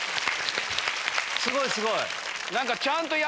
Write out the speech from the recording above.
すごいすごい！